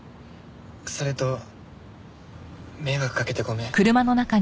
それと迷惑かけてごめん。